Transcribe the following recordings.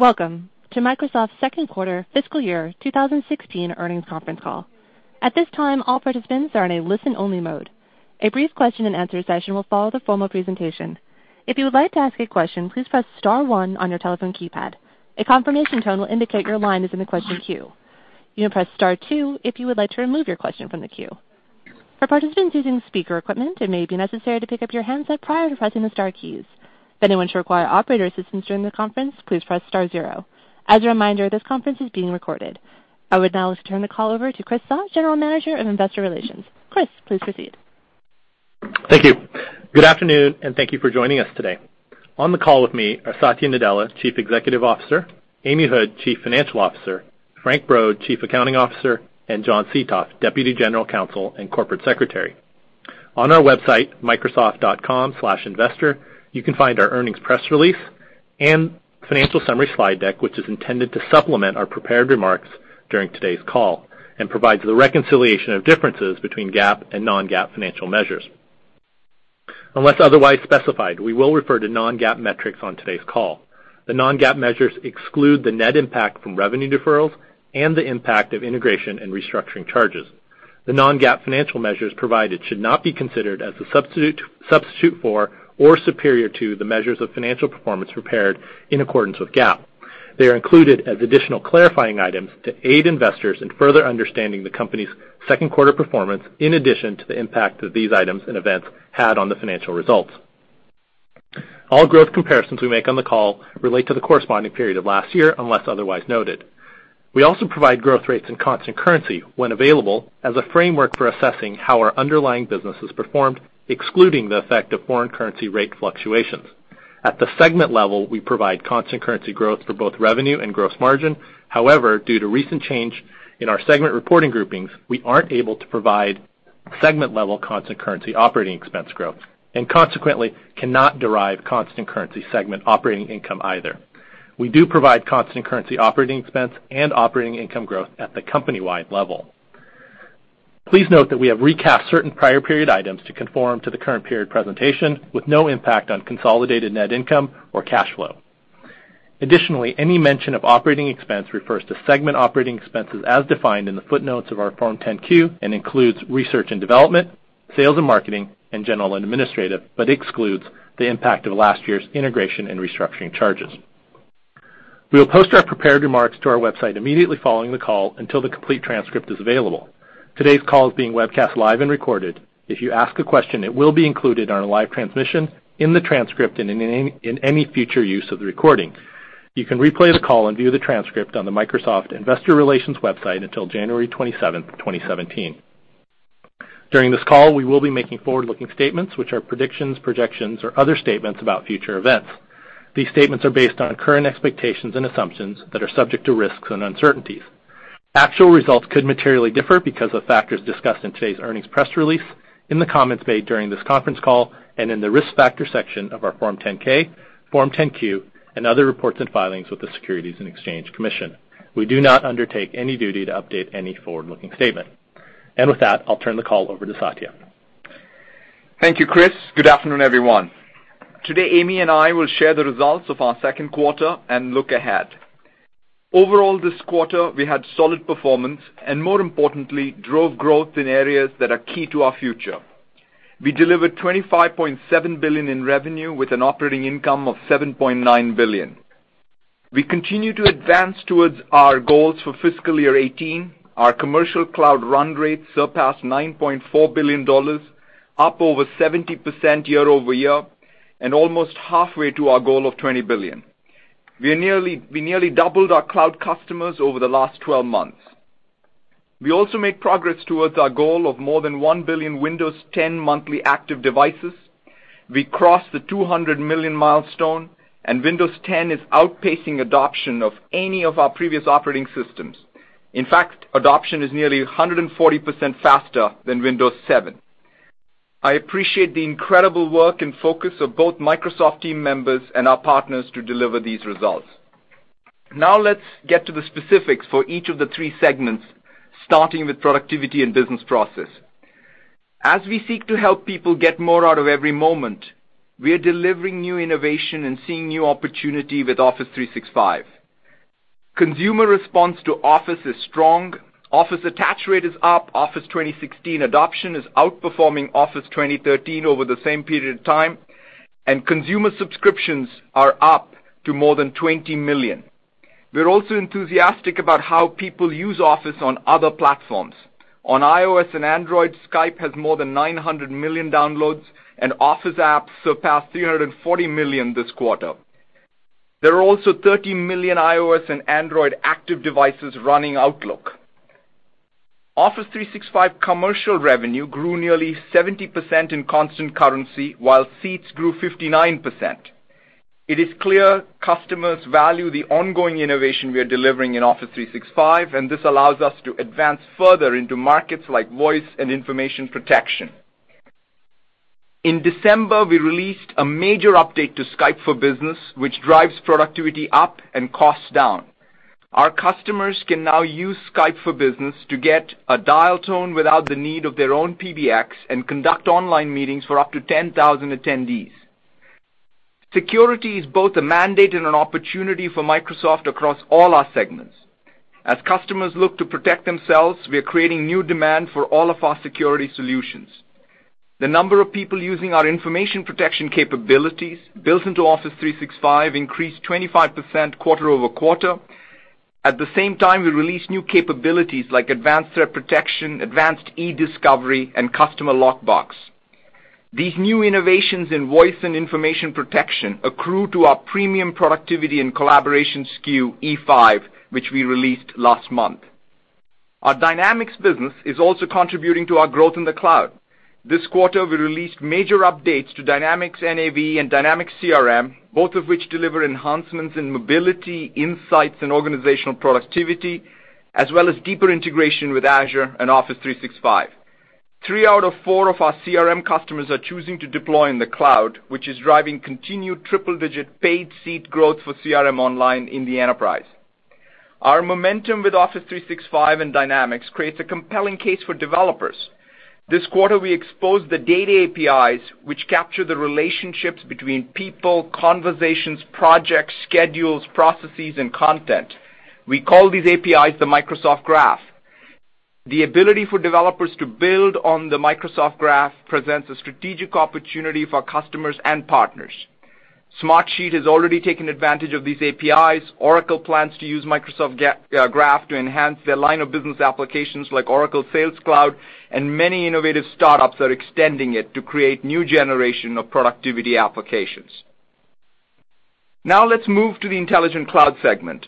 Welcome to Microsoft's second quarter fiscal year 2016 earnings conference call. At this time, all participants are in a listen-only mode. A brief question and answer session will follow the formal presentation. If you would like to ask a question, please press star one on your telephone keypad. A confirmation tone will indicate your line is in the question queue. You may press star two if you would like to remove your question from the queue. For participants using speaker equipment, it may be necessary to pick up your handset prior to pressing the star keys. If anyone should require operator assistance during the conference, please press star zero. As a reminder, this conference is being recorded. I would now like to turn the call over to Chris Suh, General Manager of Investor Relations. Chris, please proceed. Thank you for joining us today. On the call with me are Satya Nadella, Chief Executive Officer, Amy Hood, Chief Financial Officer, Frank Brod, Chief Accounting Officer, John Seethoff, Deputy General Counsel and Corporate Secretary. On our website, microsoft.com/investor, you can find our earnings press release and financial summary slide deck, which is intended to supplement our prepared remarks during today's call and provides the reconciliation of differences between GAAP and non-GAAP financial measures. Unless otherwise specified, we will refer to non-GAAP metrics on today's call. The non-GAAP measures exclude the net impact from revenue deferrals and the impact of integration and restructuring charges. The non-GAAP financial measures provided should not be considered as a substitute for or superior to the measures of financial performance prepared in accordance with GAAP. They are included as additional clarifying items to aid investors in further understanding the company's second quarter performance in addition to the impact that these items and events had on the financial results. All growth comparisons we make on the call relate to the corresponding period of last year, unless otherwise noted. We also provide growth rates in constant currency when available, as a framework for assessing how our underlying business has performed, excluding the effect of foreign currency rate fluctuations. At the segment level, we provide constant currency growth for both revenue and gross margin. Due to recent change in our segment reporting groupings, we aren't able to provide segment level constant currency operating expense growth, and consequently, cannot derive constant currency segment operating income either. We do provide constant currency operating expense and operating income growth at the company-wide level. Please note that we have recapped certain prior period items to conform to the current period presentation with no impact on consolidated net income or cash flow. Any mention of operating expense refers to segment operating expenses as defined in the footnotes of our Form 10-Q and includes research and development, sales and marketing, and general and administrative, but excludes the impact of last year's integration and restructuring charges. We will post our prepared remarks to our website immediately following the call until the complete transcript is available. Today's call is being webcast live and recorded. If you ask a question, it will be included on our live transmission, in the transcript, and in any future use of the recording. You can replay the call and view the transcript on the Microsoft Investor Relations website until January 27, 2017. During this call, we will be making forward-looking statements, which are predictions, projections, or other statements about future events. These statements are based on current expectations and assumptions that are subject to risks and uncertainties. Actual results could materially differ because of factors discussed in today's earnings press release, in the comments made during this conference call, and in the risk factor section of our Form 10-K, Form 10-Q, and other reports and filings with the Securities and Exchange Commission. We do not undertake any duty to update any forward-looking statement. With that, I'll turn the call over to Satya. Thank you, Chris. Good afternoon, everyone. Today, Amy and I will share the results of our second quarter and look ahead. Overall this quarter, we had solid performance, and more importantly, drove growth in areas that are key to our future. We delivered $25.7 billion in revenue with an operating income of $7.9 billion. We continue to advance towards our goals for fiscal year 18. Our commercial cloud run rate surpassed $9.4 billion, up over 70% year-over-year, and almost halfway to our goal of $20 billion. We nearly doubled our cloud customers over the last 12 months. We also made progress towards our goal of more than 1 billion Windows 10 monthly active devices. We crossed the 200 million milestone, and Windows 10 is outpacing adoption of any of our previous operating systems. In fact, adoption is nearly 140% faster than Windows 7. I appreciate the incredible work and focus of both Microsoft team members and our partners to deliver these results. Now let's get to the specifics for each of the three segments, starting with productivity and business process. As we seek to help people get more out of every moment, we are delivering new innovation and seeing new opportunity with Office 365. Consumer response to Office is strong. Office attach rate is up. Office 2016 adoption is outperforming Office 2013 over the same period of time, and consumer subscriptions are up to more than 20 million. We're also enthusiastic about how people use Office on other platforms. On iOS and Android, Skype has more than 900 million downloads, and Office apps surpassed 340 million this quarter. There are also 30 million iOS and Android active devices running Outlook. Office 365 commercial revenue grew nearly 70% in constant currency, while seats grew 59%. It is clear customers value the ongoing innovation we are delivering in Office 365, and this allows us to advance further into markets like voice and information protection. In December, we released a major update to Skype for Business, which drives productivity up and costs down. Our customers can now use Skype for Business to get a dial tone without the need of their own PBX and conduct online meetings for up to 10,000 attendees. Security is both a mandate and an opportunity for Microsoft across all our segments. As customers look to protect themselves, we are creating new demand for all of our security solutions. The number of people using our information protection capabilities built into Office 365 increased 25% quarter-over-quarter. At the same time, we released new capabilities like Advanced Threat Protection, Advanced eDiscovery, and Customer Lockbox. These new innovations in voice and information protection accrue to our premium productivity and collaboration SKU, E5, which we released last month. Our Dynamics business is also contributing to our growth in the cloud. This quarter, we released major updates to Dynamics NAV and Dynamics CRM, both of which deliver enhancements in mobility, insights, and organizational productivity, as well as deeper integration with Azure and Office 365. Three out of four of our CRM customers are choosing to deploy in the cloud, which is driving continued triple-digit paid seat growth for CRM Online in the enterprise. Our momentum with Office 365 and Dynamics creates a compelling case for developers. This quarter, we exposed the data APIs, which capture the relationships between people, conversations, projects, schedules, processes, and content. We call these APIs the Microsoft Graph. The ability for developers to build on the Microsoft Graph presents a strategic opportunity for customers and partners. Smartsheet has already taken advantage of these APIs. Oracle plans to use Microsoft Graph to enhance their line of business applications like Oracle Sales Cloud, and many innovative startups are extending it to create new generation of productivity applications. Let's move to the Intelligent Cloud segment.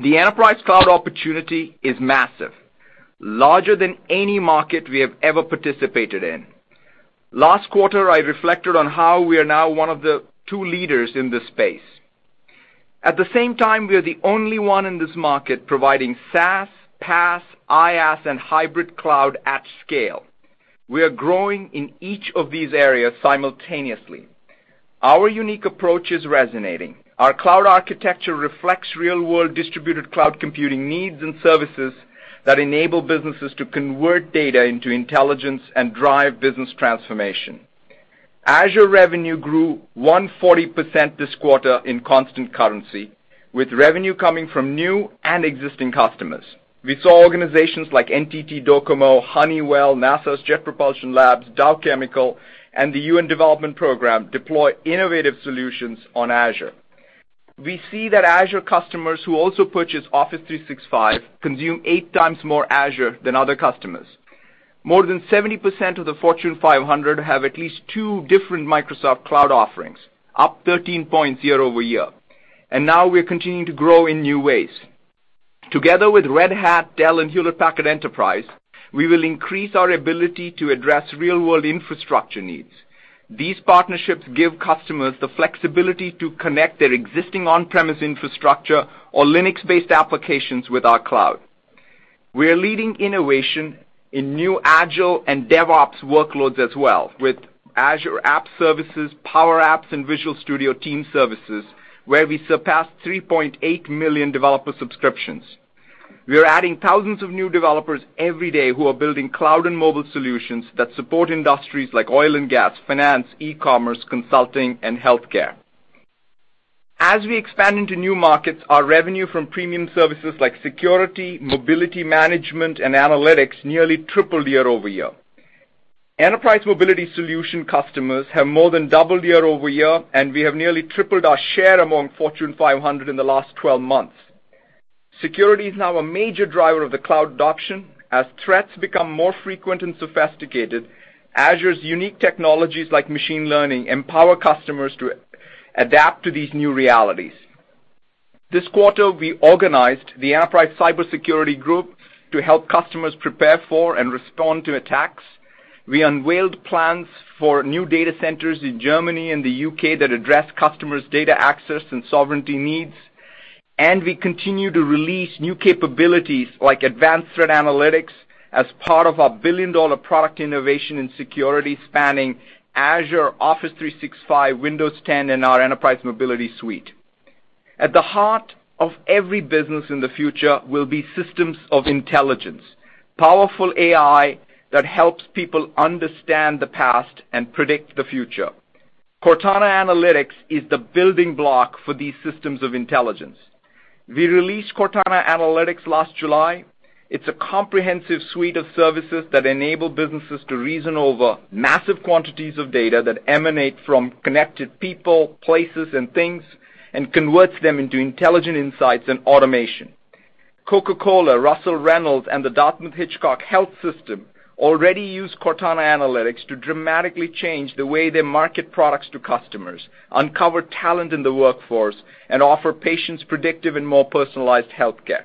The enterprise cloud opportunity is massive, larger than any market we have ever participated in. Last quarter, I reflected on how we are now one of the two leaders in this space. At the same time, we are the only one in this market providing SaaS, PaaS, IaaS, and hybrid cloud at scale. We are growing in each of these areas simultaneously. Our unique approach is resonating. Our cloud architecture reflects real-world distributed cloud computing needs and services that enable businesses to convert data into intelligence and drive business transformation. Azure revenue grew 140% this quarter in constant currency, with revenue coming from new and existing customers. We saw organizations like NTT Docomo, Honeywell, NASA's Jet Propulsion Labs, Dow Chemical, and the UN Development Programme deploy innovative solutions on Azure. We see that Azure customers who also purchase Office 365 consume eight times more Azure than other customers. More than 70% of the Fortune 500 have at least two different Microsoft Cloud offerings, up 13 points year-over-year. Now we're continuing to grow in new ways. Together with Red Hat, Dell, and Hewlett Packard Enterprise, we will increase our ability to address real-world infrastructure needs. These partnerships give customers the flexibility to connect their existing on-premise infrastructure or Linux-based applications with our cloud. We are leading innovation in new agile and DevOps workloads as well with Azure App Services, Power Apps, and Visual Studio Team Services, where we surpassed 3.8 million developer subscriptions. We are adding thousands of new developers every day who are building cloud and mobile solutions that support industries like oil and gas, finance, e-commerce, consulting, and healthcare. As we expand into new markets, our revenue from premium services like security, mobility management, and analytics nearly tripled year-over-year. Enterprise mobility solution customers have more than doubled year-over-year, and we have nearly tripled our share among Fortune 500 in the last 12 months. Security is now a major driver of the cloud adoption. As threats become more frequent and sophisticated, Azure's unique technologies like machine learning empower customers to adapt to these new realities. This quarter, we organized the Enterprise Cybersecurity Group to help customers prepare for and respond to attacks. We unveiled plans for new data centers in Germany and the U.K. that address customers' data access and sovereignty needs. We continue to release new capabilities like Advanced Threat Analytics as part of our billion-dollar product innovation in security spanning Azure, Office 365, Windows 10, and our Enterprise Mobility Suite. At the heart of every business in the future will be systems of intelligence, powerful AI that helps people understand the past and predict the future. Cortana Analytics is the building block for these systems of intelligence. We released Cortana Analytics last July. It's a comprehensive suite of services that enable businesses to reason over massive quantities of data that emanate from connected people, places, and things, and converts them into intelligent insights and automation. Coca-Cola, Russell Reynolds, and the Dartmouth-Hitchcock Health System already use Cortana Analytics to dramatically change the way they market products to customers, uncover talent in the workforce, and offer patients predictive and more personalized healthcare.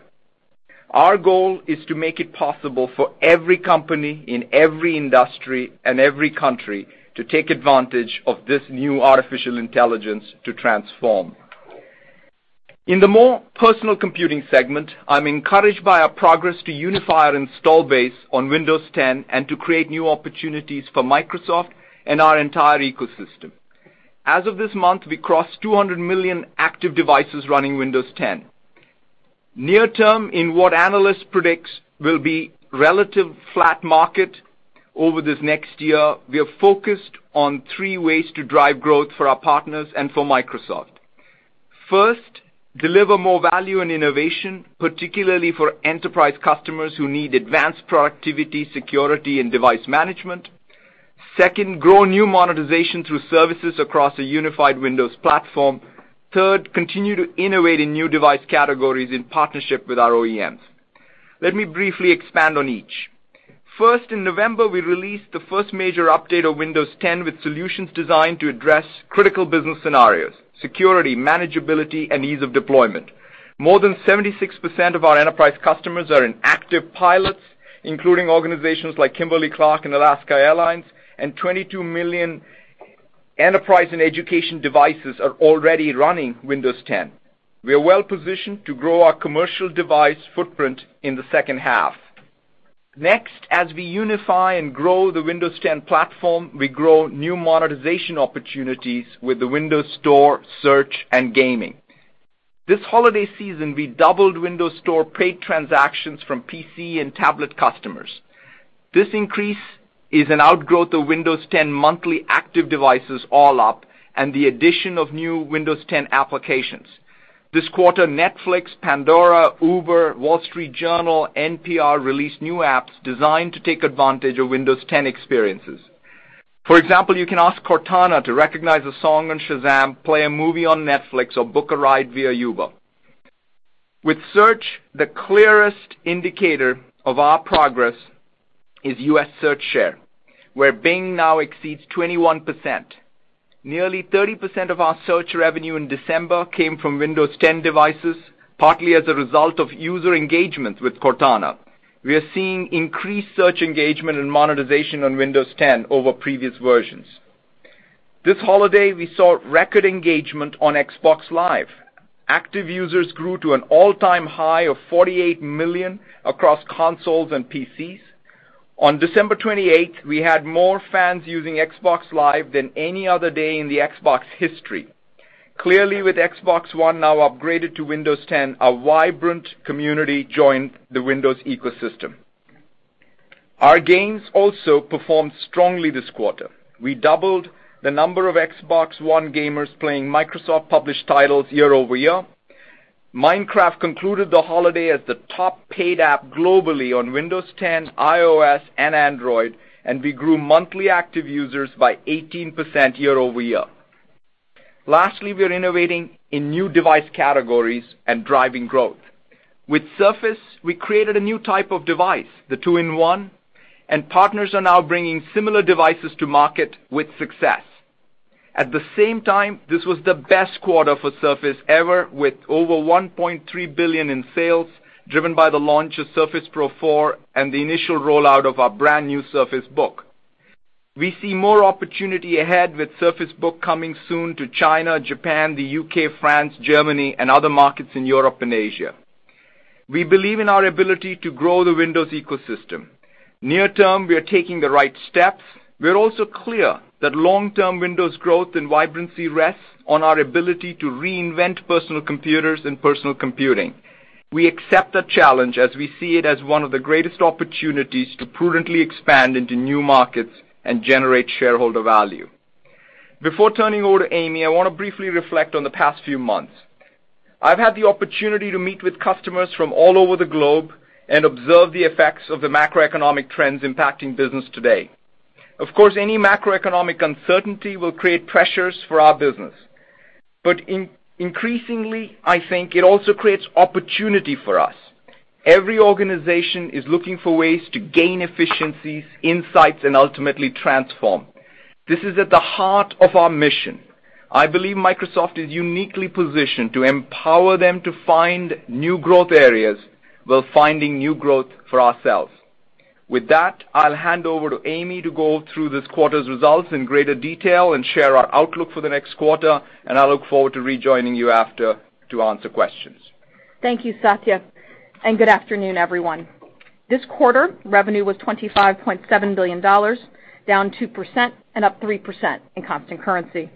Our goal is to make it possible for every company in every industry and every country to take advantage of this new artificial intelligence to transform. In the more personal computing segment, I'm encouraged by our progress to unify our install base on Windows 10 and to create new opportunities for Microsoft and our entire ecosystem. As of this month, we crossed 200 million active devices running Windows 10. Near term, in what analysts predicts will be relative flat market over this next year, we are focused on three ways to drive growth for our partners and for Microsoft. First, deliver more value and innovation, particularly for enterprise customers who need advanced productivity, security, and device management. Second, grow new monetization through services across a unified Windows platform. Third, continue to innovate in new device categories in partnership with our OEMs. Let me briefly expand on each. First, in November, we released the first major update of Windows 10 with solutions designed to address critical business scenarios: security, manageability, and ease of deployment. More than 76% of our enterprise customers are in active pilots, including organizations like Kimberly-Clark and Alaska Airlines, and 22 million enterprise and education devices are already running Windows 10. We are well-positioned to grow our commercial device footprint in the second half. Next, as we unify and grow the Windows 10 platform, we grow new monetization opportunities with the Windows Store, search, and gaming. This holiday season, we doubled Windows Store paid transactions from PC and tablet customers. This increase is an outgrowth of Windows 10 monthly active devices all up, and the addition of new Windows 10 applications. This quarter, Netflix, Pandora, Uber, Wall Street Journal, NPR, released new apps designed to take advantage of Windows 10 experiences. For example, you can ask Cortana to recognize a song on Shazam, play a movie on Netflix, or book a ride via Uber. With search, the clearest indicator of our progress is U.S. search share, where Bing now exceeds 21%. Nearly 30% of our search revenue in December came from Windows 10 devices, partly as a result of user engagement with Cortana. We are seeing increased search engagement and monetization on Windows 10 over previous versions. This holiday, we saw record engagement on Xbox Live. Active users grew to an all-time high of 48 million across consoles and PCs. On December 28th, we had more fans using Xbox Live than any other day in the Xbox history. Clearly, with Xbox One now upgraded to Windows 10, a vibrant community joined the Windows ecosystem. Our games also performed strongly this quarter. We doubled the number of Xbox One gamers playing Microsoft-published titles year-over-year. Minecraft concluded the holiday as the top paid app globally on Windows 10, iOS, and Android. We grew monthly active users by 18% year-over-year. Lastly, we are innovating in new device categories and driving growth. With Surface, we created a new type of device, the two-in-one, and partners are now bringing similar devices to market with success. At the same time, this was the best quarter for Surface ever, with over $1.3 billion in sales, driven by the launch of Surface Pro 4 and the initial rollout of our brand-new Surface Book. We see more opportunity ahead with Surface Book coming soon to China, Japan, the U.K., France, Germany, and other markets in Europe and Asia. We believe in our ability to grow the Windows ecosystem. Near term, we are taking the right steps. We're also clear that long-term Windows growth and vibrancy rests on our ability to reinvent personal computers and personal computing. We accept the challenge as we see it as one of the greatest opportunities to prudently expand into new markets and generate shareholder value. Before turning over to Amy, I want to briefly reflect on the past few months. I've had the opportunity to meet with customers from all over the globe and observe the effects of the macroeconomic trends impacting business today. Of course, any macroeconomic uncertainty will create pressures for our business. Increasingly, I think it also creates opportunity for us. Every organization is looking for ways to gain efficiencies, insights, and ultimately transform. This is at the heart of our mission. I believe Microsoft is uniquely positioned to empower them to find new growth areas while finding new growth for ourselves. With that, I'll hand over to Amy to go through this quarter's results in greater detail and share our outlook for the next quarter. I look forward to rejoining you after to answer questions. Thank you, Satya. Good afternoon, everyone. This quarter, revenue was $25.7 billion, down 2% and up 3% in constant currency.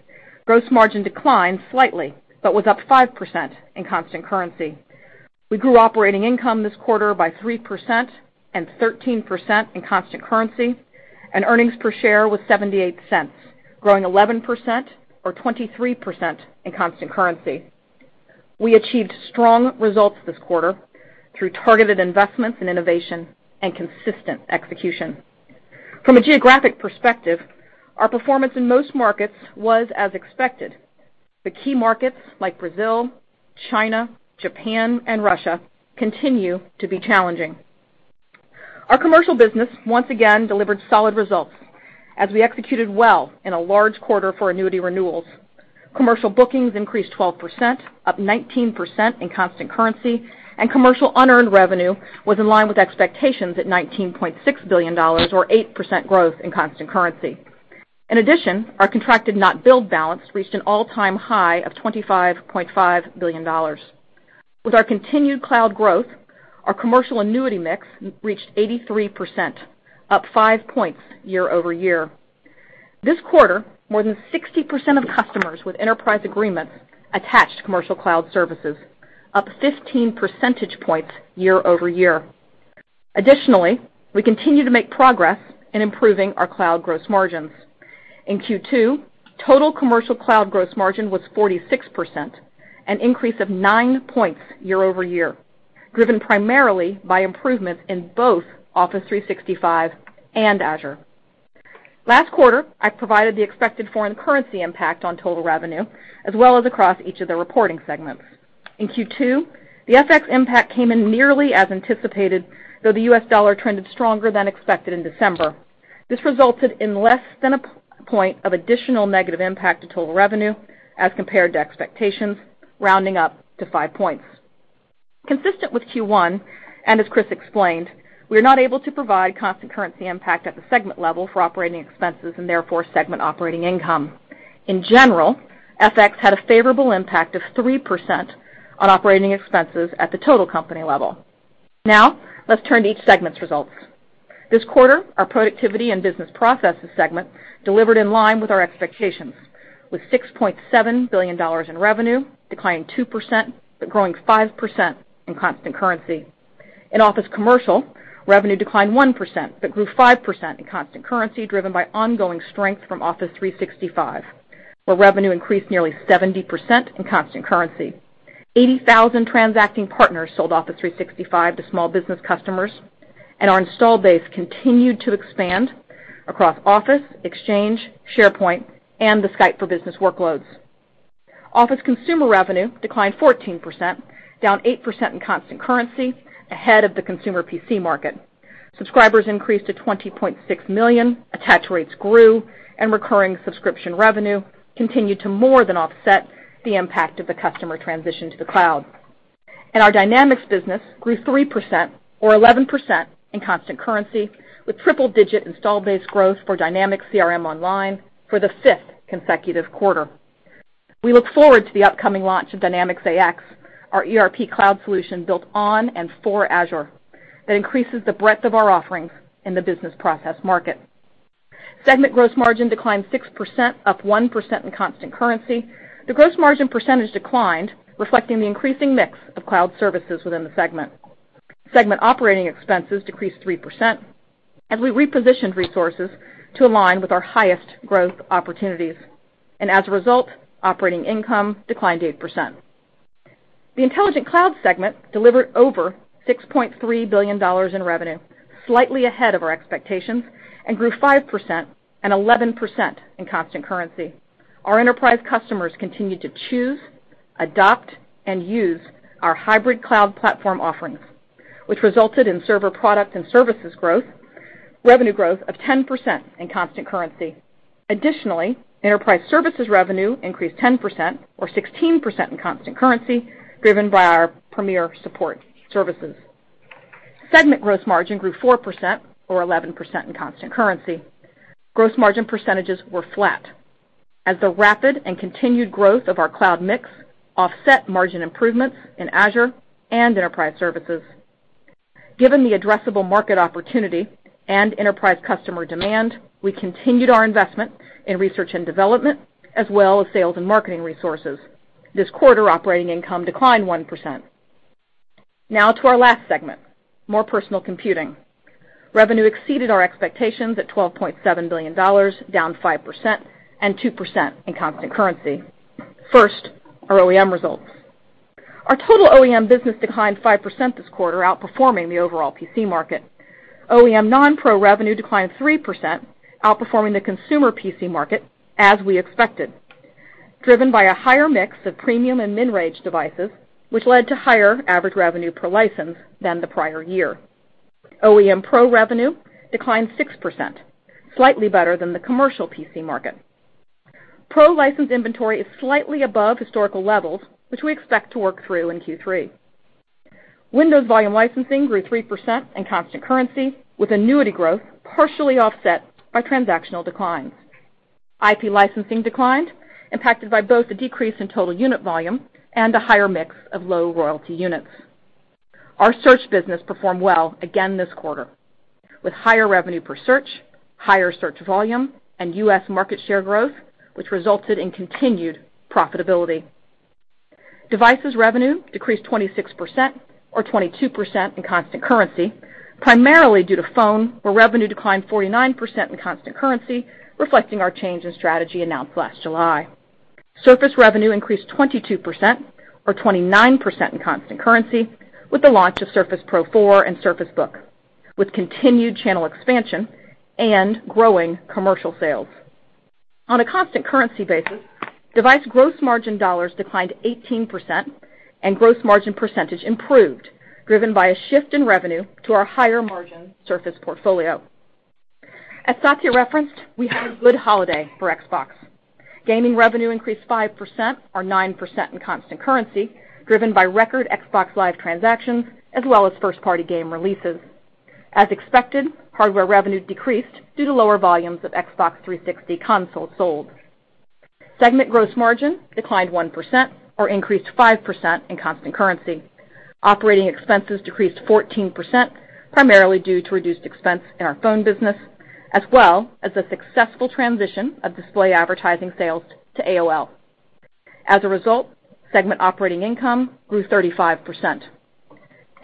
Gross margin declined slightly but was up 5% in constant currency. We grew operating income this quarter by 3% and 13% in constant currency. Earnings per share was $0.78, growing 11% or 23% in constant currency. We achieved strong results this quarter through targeted investments in innovation and consistent execution. From a geographic perspective, our performance in most markets was as expected. The key markets like Brazil, China, Japan, and Russia continue to be challenging. Our commercial business once again delivered solid results as we executed well in a large quarter for annuity renewals. Commercial bookings increased 12%, up 19% in constant currency, and commercial unearned revenue was in line with expectations at $19.6 billion or 8% growth in constant currency. In addition, our contracted not billed balance reached an all-time high of $25.5 billion. With our continued cloud growth, our commercial annuity mix reached 83%, up five points year over year. This quarter, more than 60% of customers with Enterprise Agreements attached commercial cloud services, up 15 percentage points year over year. Additionally, we continue to make progress in improving our cloud gross margins. In Q2, total commercial cloud gross margin was 46%, an increase of nine points year over year, driven primarily by improvements in both Office 365 and Azure. Last quarter, I provided the expected foreign currency impact on total revenue, as well as across each of the reporting segments. In Q2, the FX impact came in nearly as anticipated, though the US dollar trended stronger than expected in December. This resulted in less than a point of additional negative impact to total revenue as compared to expectations, rounding up to five points. Consistent with Q1, as Chris explained, we are not able to provide constant currency impact at the segment level for operating expenses, and therefore segment operating income. In general, FX had a favorable impact of 3% on operating expenses at the total company level. Let's turn to each segment's results. This quarter, our Productivity and Business Processes segment delivered in line with our expectations, with $6.7 billion in revenue, declining 2%, but growing 5% in constant currency. In Office Commercial, revenue declined 1%, but grew 5% in constant currency, driven by ongoing strength from Office 365, where revenue increased nearly 70% in constant currency. 80,000 transacting partners sold Office 365 to small business customers, our install base continued to expand across Office, Exchange, SharePoint, and the Skype for Business workloads. Office Consumer revenue declined 14%, down 8% in constant currency, ahead of the consumer PC market. Subscribers increased to 20.6 million, attach rates grew, and recurring subscription revenue continued to more than offset the impact of the customer transition to the cloud. Our Dynamics business grew 3%, or 11% in constant currency, with triple-digit install base growth for Dynamics CRM Online for the fifth consecutive quarter. We look forward to the upcoming launch of Dynamics AX, our ERP cloud solution built on and for Azure, that increases the breadth of our offerings in the business process market. Segment gross margin declined 6%, up 1% in constant currency. The gross margin percentage declined, reflecting the increasing mix of cloud services within the segment. Segment operating expenses decreased 3%, as we repositioned resources to align with our highest growth opportunities, as a result, operating income declined 8%. The Intelligent Cloud segment delivered over $6.3 billion in revenue, slightly ahead of our expectations, and grew 5% and 11% in constant currency. Our enterprise customers continued to choose, adopt, and use our hybrid cloud platform offerings, which resulted in server product and services revenue growth of 10% in constant currency. Additionally, Enterprise Services revenue increased 10%, or 16% in constant currency, driven by our premier support services. Segment gross margin grew 4%, or 11% in constant currency. Gross margin percentages were flat as the rapid and continued growth of our cloud mix offset margin improvements in Azure and Enterprise Services. Given the addressable market opportunity and enterprise customer demand, we continued our investment in research and development, as well as sales and marketing resources. This quarter, operating income declined 1%. Now to our last segment, More Personal Computing. Revenue exceeded our expectations at $12.7 billion, down 5% and 2% in constant currency. First, our OEM results. Our total OEM business declined 5% this quarter, outperforming the overall PC market. OEM non-pro revenue declined 3%, outperforming the consumer PC market, as we expected, driven by a higher mix of premium and mid-range devices, which led to higher average revenue per license than the prior year. OEM pro revenue declined 6%, slightly better than the commercial PC market. Pro license inventory is slightly above historical levels, which we expect to work through in Q3. Windows volume licensing grew 3% in constant currency, with annuity growth partially offset by transactional declines. IP licensing declined, impacted by both a decrease in total unit volume and a higher mix of low royalty units. Our search business performed well again this quarter with higher revenue per search, higher search volume, and U.S. market share growth, which resulted in continued profitability. Devices revenue decreased 26%, or 22% in constant currency, primarily due to phone, where revenue declined 49% in constant currency, reflecting our change in strategy announced last July. Surface revenue increased 22%, or 29% in constant currency, with the launch of Surface Pro 4 and Surface Book, with continued channel expansion and growing commercial sales. On a constant currency basis, device gross margin dollars declined 18% and gross margin percentage improved, driven by a shift in revenue to our higher margin Surface portfolio. As Satya referenced, we had a good holiday for Xbox. Gaming revenue increased 5%, or 9% in constant currency, driven by record Xbox Live transactions as well as first-party game releases. As expected, hardware revenue decreased due to lower volumes of Xbox 360 consoles sold. Segment gross margin declined 1% or increased 5% in constant currency. Operating expenses decreased 14%, primarily due to reduced expense in our phone business, as well as the successful transition of display advertising sales to AOL.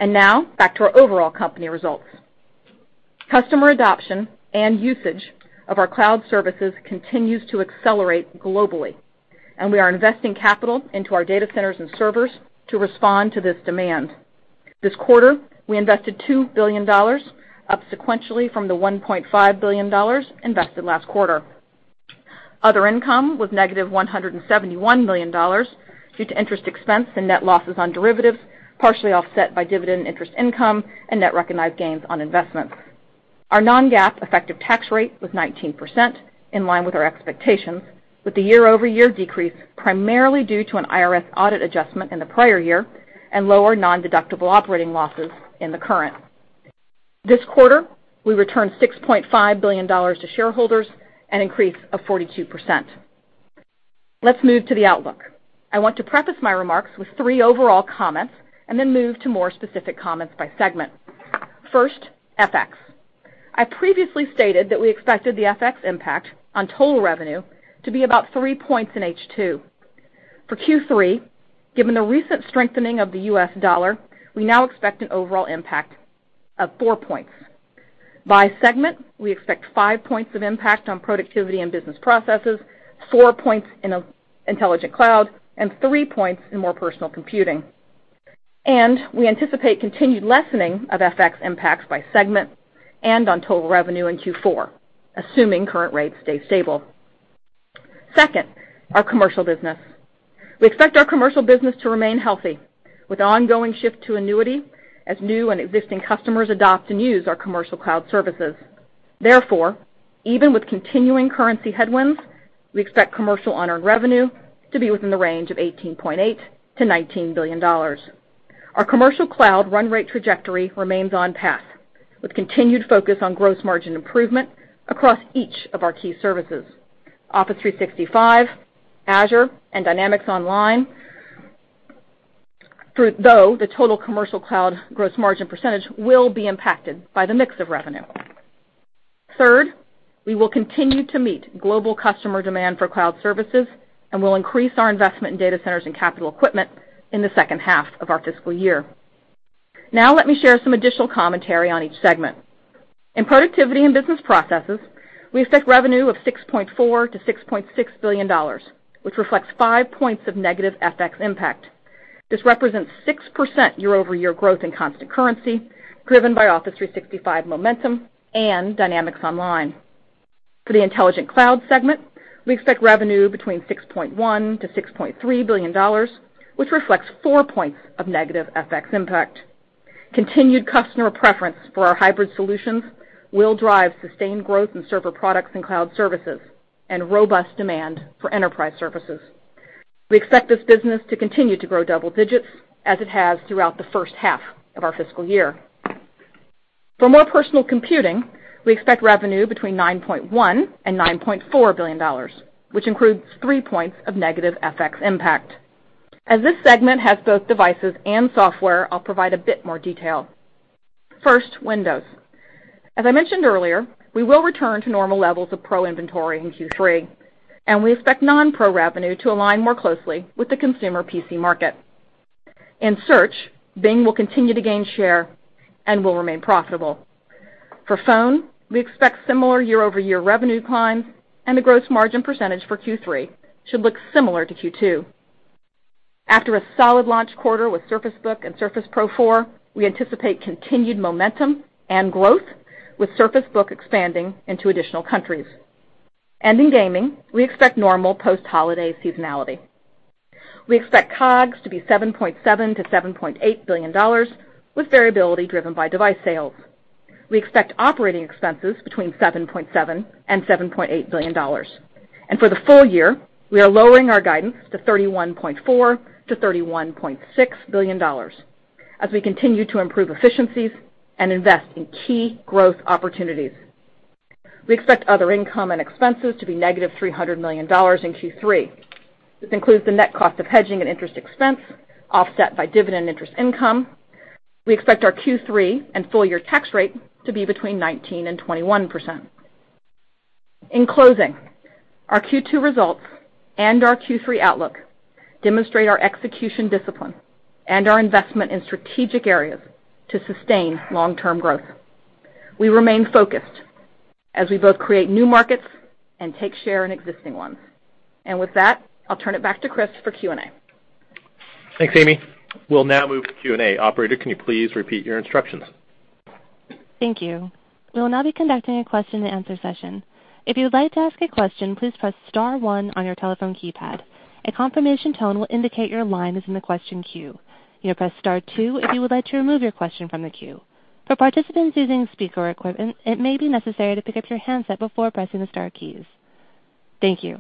Now back to our overall company results. Customer adoption and usage of our cloud services continues to accelerate globally, and we are investing capital into our data centers and servers to respond to this demand. This quarter, we invested $2 billion, up sequentially from the $1.5 billion invested last quarter. Other income was negative $171 million due to interest expense and net losses on derivatives, partially offset by dividend interest income and net recognized gains on investments. Our non-GAAP effective tax rate was 19%, in line with our expectations, with the year-over-year decrease primarily due to an IRS audit adjustment in the prior year and lower nondeductible operating losses in the current. This quarter, we returned $6.5 billion to shareholders, an increase of 42%. Let's move to the outlook. I want to preface my remarks with three overall comments and then move to more specific comments by segment. First, FX. I previously stated that we expected the FX impact on total revenue to be about three points in H2. For Q3, given the recent strengthening of the U.S. dollar, we now expect an overall impact of four points. By segment, we expect five points of impact on Productivity and Business Processes, four points in Intelligent Cloud, and three points in More Personal Computing. We anticipate continued lessening of FX impacts by segment and on total revenue in Q4, assuming current rates stay stable. Second, our commercial business. We expect our commercial business to remain healthy with ongoing shift to annuity as new and existing customers adopt and use our commercial cloud services. Therefore, even with continuing currency headwinds, we expect commercial unearned revenue to be within the range of $18.8 billion-$19 billion. Our commercial cloud run rate trajectory remains on path with continued focus on gross margin improvement across each of our key services, Office 365, Azure, and Dynamics Online, though the total commercial cloud gross margin percentage will be impacted by the mix of revenue. Third, we will continue to meet global customer demand for cloud services and will increase our investment in data centers and capital equipment in the second half of our fiscal year. Now let me share some additional commentary on each segment. In Productivity and Business Processes, we expect revenue of $6.4 billion-$6.6 billion, which reflects five points of negative FX impact. This represents 6% year-over-year growth in constant currency, driven by Office 365 momentum and Dynamics Online. For the Intelligent Cloud segment, we expect revenue between $6.1 billion-$6.3 billion, which reflects four points of negative FX impact. Continued customer preference for our hybrid solutions will drive sustained growth in server products and cloud services and robust demand for enterprise services. We expect this business to continue to grow double digits as it has throughout the first half of our fiscal year. For More Personal Computing, we expect revenue between $9.1 billion and $9.4 billion, which includes three points of negative FX impact. As this segment has both devices and software, I'll provide a bit more detail. First, Windows. As I mentioned earlier, we will return to normal levels of Pro inventory in Q3, and we expect non-Pro revenue to align more closely with the consumer PC market. In Search, Bing will continue to gain share and will remain profitable. For Phone, we expect similar year-over-year revenue decline and the gross margin percentage for Q3 should look similar to Q2. After a solid launch quarter with Surface Book and Surface Pro 4, we anticipate continued momentum and growth with Surface Book expanding into additional countries. In Gaming, we expect normal post-holiday seasonality. We expect COGS to be $7.7 billion-$7.8 billion, with variability driven by device sales. We expect operating expenses between $7.7 billion and $7.8 billion. For the full year, we are lowering our guidance to $31.4 billion-$31.6 billion as we continue to improve efficiencies and invest in key growth opportunities. We expect other income and expenses to be negative $300 million in Q3. This includes the net cost of hedging and interest expense offset by dividend interest income. We expect our Q3 and full year tax rate to be between 19%-21%. In closing, our Q2 results and our Q3 outlook demonstrate our execution discipline and our investment in strategic areas to sustain long-term growth. We remain focused as we both create new markets and take share in existing ones. With that, I'll turn it back to Chris for Q&A. Thanks, Amy. We'll now move to Q&A. Operator, can you please repeat your instructions? Thank you. We will now be conducting a question and answer session. If you would like to ask a question, please press star one on your telephone keypad. A confirmation tone will indicate your line is in the question queue. You may press star two if you would like to remove your question from the queue. For participants using speaker equipment, it may be necessary to pick up your handset before pressing the star keys. Thank you.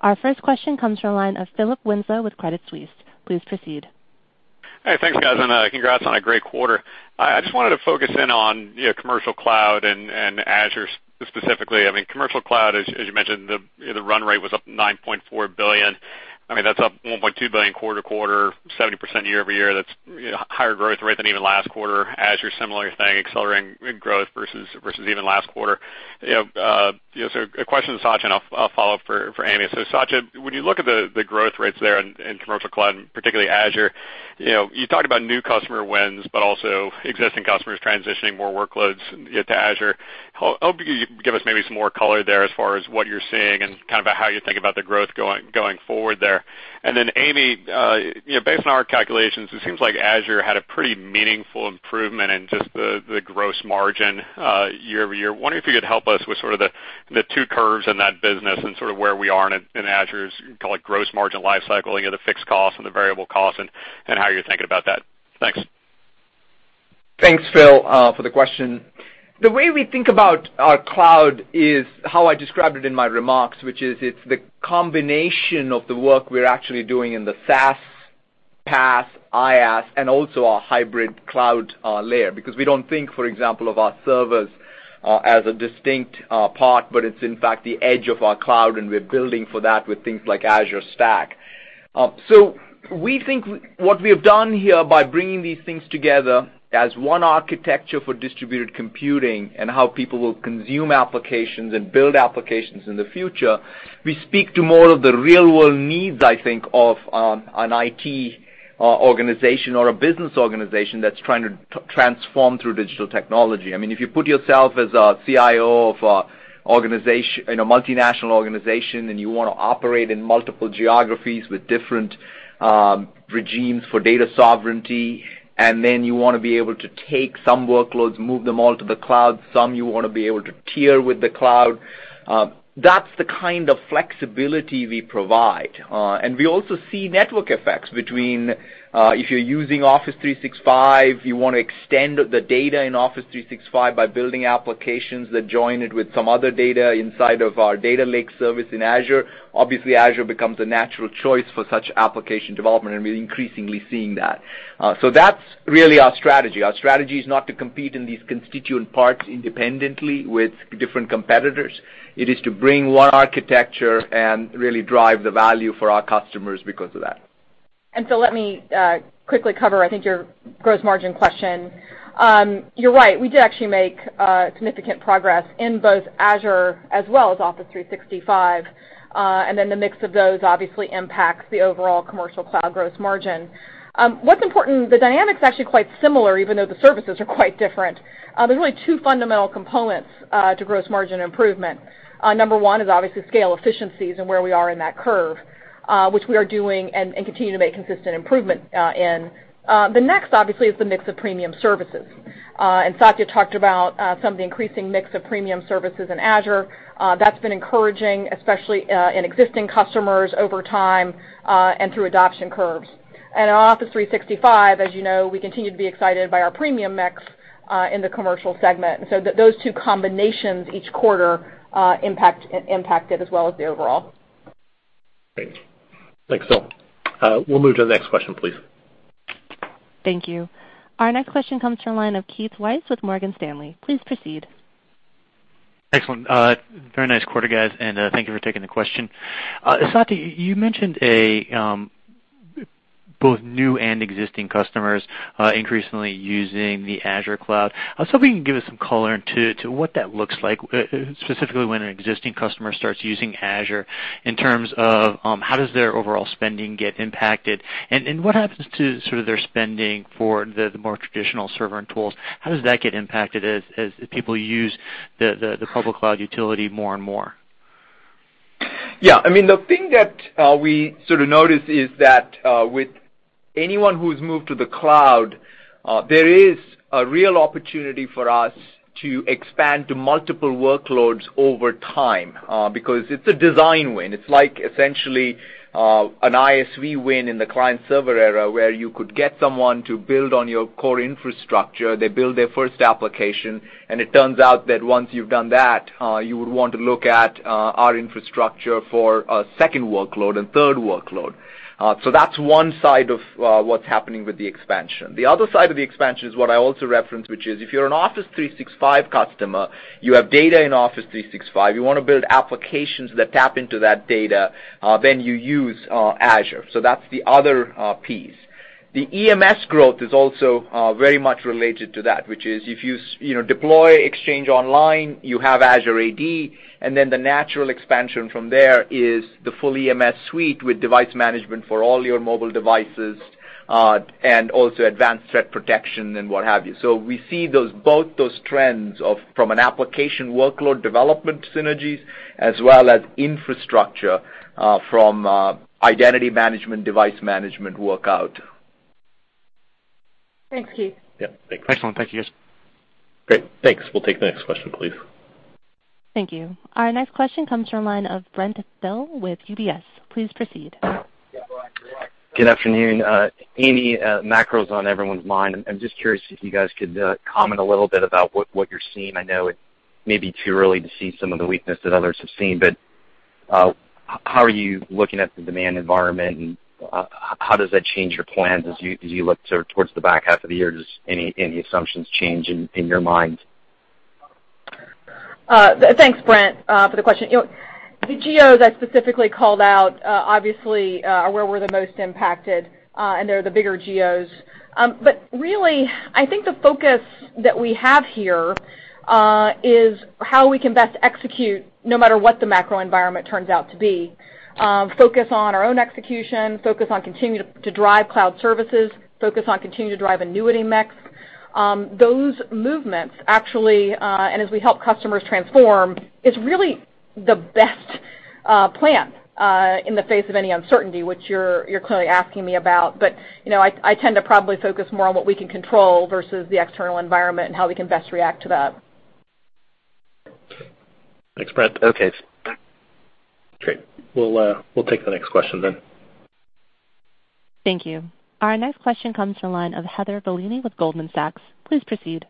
Our first question comes from the line of Philip Winslow with Credit Suisse. Please proceed. Hey, thanks guys. Congrats on a great quarter. I just wanted to focus in on commercial cloud and Azure specifically. Commercial cloud, as you mentioned, the run rate was up $9.4 billion. That's up $1.2 billion quarter-to-quarter, 70% year-over-year. That's higher growth rate than even last quarter. Azure, similar thing, accelerating growth versus even last quarter. A question to Satya, and I'll follow up for Amy. Satya, when you look at the growth rates there in commercial cloud, and particularly Azure, you talked about new customer wins, but also existing customers transitioning more workloads to Azure. I hope you can give us maybe some more color there as far as what you're seeing and how you think about the growth going forward there. Amy, based on our calculations, it seems like Azure had a pretty meaningful improvement in just the gross margin year-over-year. Wondering if you could help us with sort of the two curves in that business and sort of where we are in Azure's call it gross margin life cycle, the fixed cost and the variable cost, and how you're thinking about that. Thanks. Thanks, Phil, for the question. The way we think about our cloud is how I described it in my remarks, which is it's the combination of the work we're actually doing in the SaaS, PaaS, IaaS, and also our hybrid cloud layer. Because we don't think, for example, of our servers as a distinct part, but it's in fact the edge of our cloud, and we're building for that with things like Azure Stack. We think what we have done here by bringing these things together as one architecture for distributed computing and how people will consume applications and build applications in the future, we speak to more of the real-world needs, I think, of an IT organization or a business organization that's trying to transform through digital technology. If you put yourself as a CIO of a multinational organization, and you want to operate in multiple geographies with different regimes for data sovereignty, and then you want to be able to take some workloads, move them all to the cloud, some you want to be able to tier with the cloud, that's the kind of flexibility we provide. We also see network effects between, if you're using Office 365, you want to extend the data in Office 365 by building applications that join it with some other data inside of our data lake service in Azure. Obviously, Azure becomes a natural choice for such application development, and we're increasingly seeing that. That's really our strategy. Our strategy is not to compete in these constituent parts independently with different competitors. It is to bring one architecture and really drive the value for our customers because of that. Let me quickly cover, I think, your gross margin question. You're right, we did actually make significant progress in both Azure as well as Office 365. The mix of those obviously impacts the overall commercial cloud gross margin. What's important, the dynamic's actually quite similar, even though the services are quite different. There's really two fundamental components to gross margin improvement. Number 1 is obviously scale efficiencies and where we are in that curve, which we are doing and continue to make consistent improvement in. The next, obviously, is the mix of premium services. Satya talked about some of the increasing mix of premium services in Azure. That's been encouraging, especially in existing customers over time, and through adoption curves. In Office 365, as you know, we continue to be excited by our premium mix in the commercial segment. Those two combinations each quarter impacted as well as the overall. Great. Thanks. We'll move to the next question, please. Thank you. Our next question comes from the line of Keith Weiss with Morgan Stanley. Please proceed. Excellent. Very nice quarter, guys, and thank you for taking the question. Satya, you mentioned both new and existing customers increasingly using the Azure cloud. I was hoping you could give us some color into what that looks like, specifically when an existing customer starts using Azure in terms of how does their overall spending get impacted, and what happens to their spending for the more traditional server and tools? How does that get impacted as people use the public cloud utility more and more? Yeah. The thing that we sort of noticed is that with anyone who's moved to the cloud, there is a real opportunity for us to expand to multiple workloads over time, because it's a design win. It's like essentially an ISV win in the client-server era, where you could get someone to build on your core infrastructure, they build their first application, and it turns out that once you've done that, you would want to look at our infrastructure for a second workload and third workload. That's one side of what's happening with the expansion. The other side of the expansion is what I also referenced, which is if you're an Office 365 customer, you have data in Office 365, you want to build applications that tap into that data, then you use Azure. That's the other piece. The EMS growth is also very much related to that, which is if you deploy Exchange Online, you have Azure AD, and then the natural expansion from there is the full EMS suite with device management for all your mobile devices, and also Advanced Threat Protection and what have you. We see both those trends from an application workload development synergies, as well as infrastructure from identity management, device management work out. Thanks, Keith. Yeah. Thanks. Excellent. Thank you, guys. Great. Thanks. We'll take the next question, please. Thank you. Our next question comes from a line of Brent Thill with UBS. Please proceed. Good afternoon. Amy, macro's on everyone's mind. I'm just curious if you guys could comment a little bit about what you're seeing. I know it may be too early to see some of the weakness that others have seen. How are you looking at the demand environment, and how does that change your plans as you look towards the back half of the year? Does any assumptions change in your mind? Thanks, Brent, for the question. The geos I specifically called out, obviously, are where we're the most impacted, and they're the bigger geos. Really, I think the focus that we have here is how we can best execute no matter what the macro environment turns out to be. Focus on our own execution, focus on continuing to drive cloud services, focus on continuing to drive annuity mix. Those movements, actually, and as we help customers transform, is really the best plan in the face of any uncertainty, which you're clearly asking me about. I tend to probably focus more on what we can control versus the external environment and how we can best react to that. Thanks, Brent. Okay. Great. We'll take the next question then. Thank you. Our next question comes from the line of Heather Bellini with Goldman Sachs. Please proceed.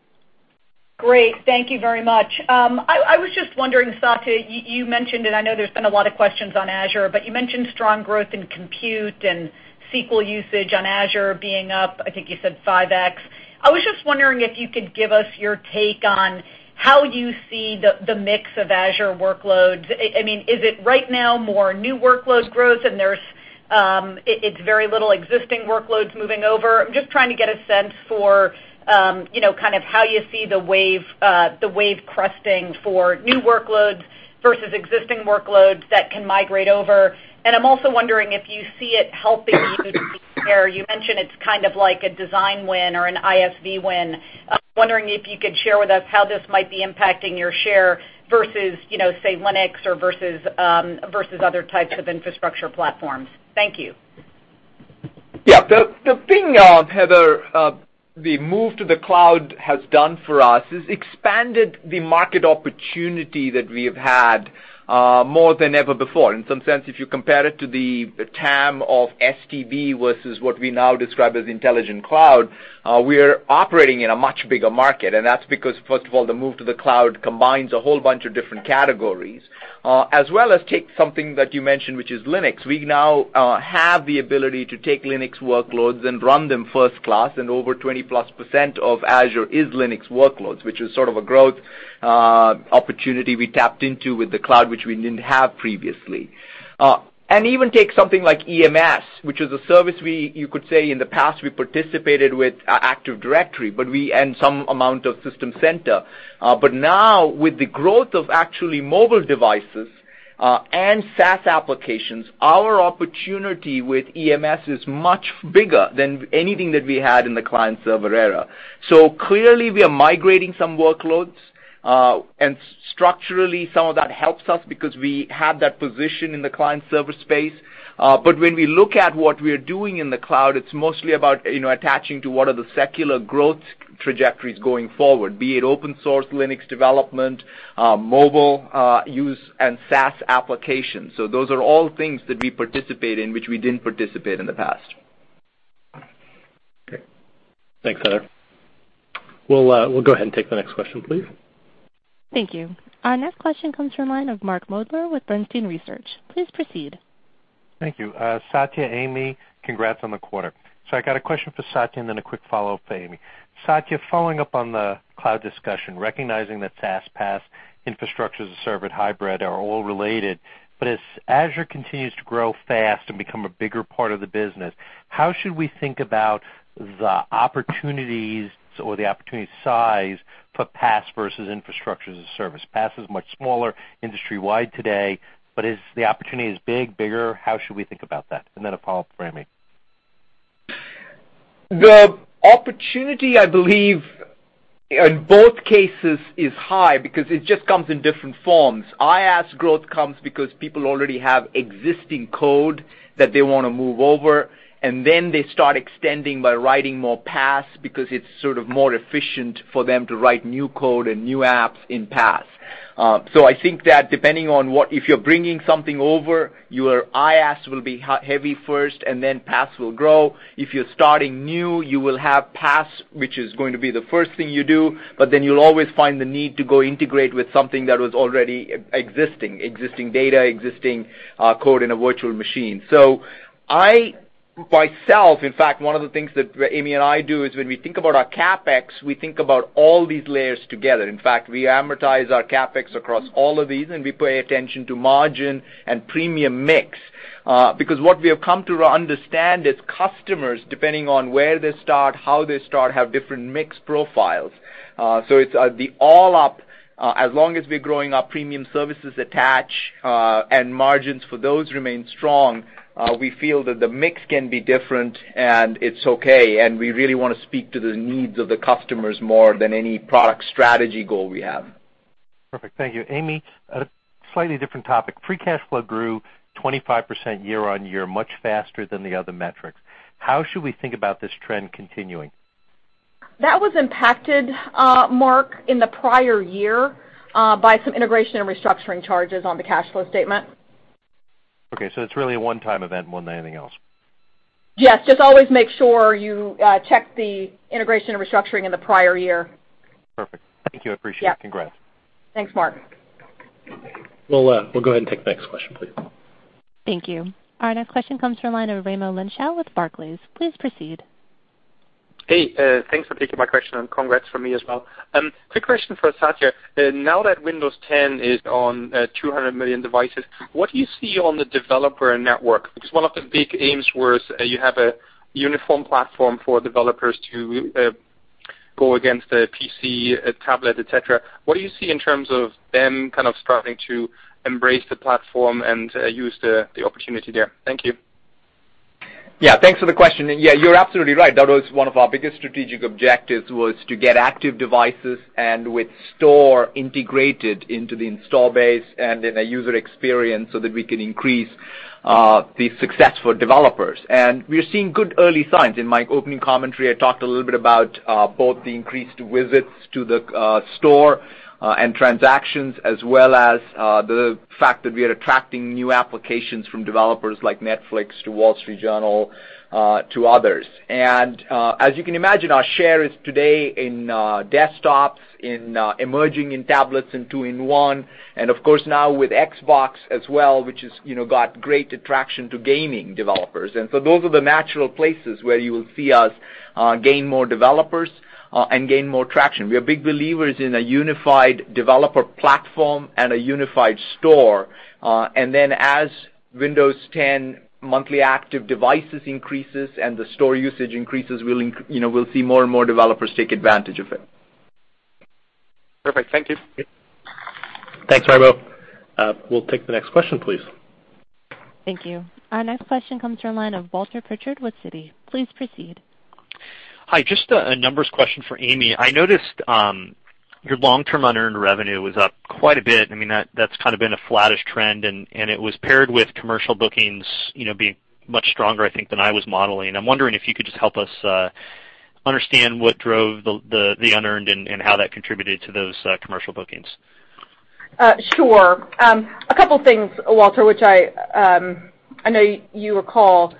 Great. Thank you very much. I was just wondering, Satya, you mentioned, and I know there's been a lot of questions on Azure, but you mentioned strong growth in compute and SQL usage on Azure being up, I think you said 5X. I was just wondering if you could give us your take on how you see the mix of Azure workloads. Is it right now more new workload growth and it's very little existing workloads moving over? I'm just trying to get a sense for how you see the wave cresting for new workloads versus existing workloads that can migrate over, and I'm also wondering if you see it helping you to take share. You mentioned it's like a design win or an ISV win. I'm wondering if you could share with us how this might be impacting your share versus, say, Linux or versus other types of infrastructure platforms. Thank you. Yeah. The thing, Heather, the move to the cloud has done for us is expanded the market opportunity that we have had more than ever before. In some sense, if you compare it to the TAM of STB versus what we now describe as intelligent cloud, we are operating in a much bigger market, and that's because, first of all, the move to the cloud combines a whole bunch of different categories. As well as take something that you mentioned, which is Linux. We now have the ability to take Linux workloads and run them first class, and over 20-plus% of Azure is Linux workloads, which is a growth opportunity we tapped into with the cloud, which we didn't have previously. Even take something like EMS, which is a service you could say in the past we participated with Active Directory, and some amount of System Center. Now with the growth of actually mobile devices, and SaaS applications, our opportunity with EMS is much bigger than anything that we had in the client-server era. Clearly we are migrating some workloads. Structurally, some of that helps us because we have that position in the client-server space. When we look at what we are doing in the cloud, it's mostly about attaching to what are the secular growth trajectories going forward, be it open source Linux development, mobile use, and SaaS applications. Those are all things that we participate in which we didn't participate in the past. Okay. Thanks, Heather. We'll go ahead and take the next question, please. Thank you. Our next question comes from the line of Mark Moerdler with Bernstein Research. Please proceed. Thank you. Satya, Amy, congrats on the quarter. I got a question for Satya and then a quick follow-up for Amy. Satya, following up on the cloud discussion, recognizing that SaaS, PaaS, infrastructure as a service hybrid are all related, as Azure continues to grow fast and become a bigger part of the business, how should we think about the opportunities or the opportunity size for PaaS versus infrastructure as a service? PaaS is much smaller industry-wide today, is the opportunity as big, bigger? How should we think about that? A follow-up for Amy. The opportunity, I believe, in both cases is high because it just comes in different forms. IaaS growth comes because people already have existing code that they want to move over, and then they start extending by writing more PaaS because it's more efficient for them to write new code and new apps in PaaS. I think that depending on if you're bringing something over, your IaaS will be heavy first and then PaaS will grow. If you're starting new, you will have PaaS, which is going to be the first thing you do, you'll always find the need to go integrate with something that was already existing data, existing code in a virtual machine. I, myself, in fact, one of the things that Amy and I do is when we think about our CapEx, we think about all these layers together. In fact, we amortize our CapEx across all of these, we pay attention to margin and premium mix. What we have come to understand is customers, depending on where they start, how they start, have different mix profiles. It's the all up, as long as we're growing our premium services attach, margins for those remain strong, we feel that the mix can be different and it's okay, we really want to speak to the needs of the customers more than any product strategy goal we have. Perfect. Thank you. Amy, a slightly different topic. Free cash flow grew 25% year-on-year, much faster than the other metrics. How should we think about this trend continuing? That was impacted, Mark, in the prior year, by some integration and restructuring charges on the cash flow statement. Okay, it's really a one-time event more than anything else? Yes. Just always make sure you check the integration and restructuring in the prior year. Perfect. Thank you. I appreciate it. Yeah. Congrats. Thanks, Mark. We'll go ahead and take the next question, please. Thank you. Our next question comes from the line of Raimo Lenschow with Barclays. Please proceed. Thanks for taking my question, and congrats from me as well. Quick question for Satya. Now that Windows 10 is on 200 million devices, what do you see on the developer network? One of the big aims was you have a uniform platform for developers to go against the PC, tablet, et cetera. What do you see in terms of them kind of starting to embrace the platform and use the opportunity there? Thank you. Thanks for the question. You're absolutely right. That was one of our biggest strategic objectives was to get active devices and with Store integrated into the install base and in a user experience so that we can increase the success for developers. We are seeing good early signs. In my opening commentary, I talked a little bit about both the increased visits to the Store and transactions as well as the fact that we are attracting new applications from developers like Netflix to The Wall Street Journal to others. As you can imagine, our share is today in desktops, emerging in tablets and two-in-one, and of course now with Xbox as well, which has got great attraction to gaming developers. Those are the natural places where you will see us gain more developers and gain more traction. We are big believers in a unified developer platform and a unified Store. As Windows 10 monthly active devices increases and the Store usage increases, we'll see more and more developers take advantage of it. Perfect. Thank you. Thanks, Raimo. We'll take the next question, please. Thank you. Our next question comes from the line of Walter Pritchard with Citi. Please proceed. Hi, just a numbers question for Amy. I noticed your long-term unearned revenue was up quite a bit. That's kind of been a flattish trend, and it was paired with commercial bookings being much stronger, I think, than I was modeling. I'm wondering if you could just help us understand what drove the unearned and how that contributed to those commercial bookings. Sure. A couple things, Walter, which I know you recall.